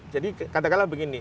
jadi katakanlah begini